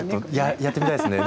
やってみたいですね。